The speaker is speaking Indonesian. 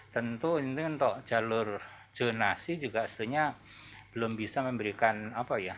tentu ini untuk jalur zonasi juga sebetulnya belum bisa memberikan apa ya